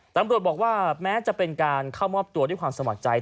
ตำรวจบอกว่าแม้จะเป็นการเข้ามอบตัวด้วยความสมัครใจ